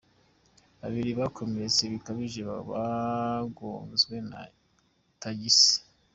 Babiri bakomeretse bikabije bagonzwe na tagisi